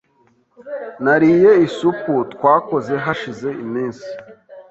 Nariye isupu twakoze hashize iminsi.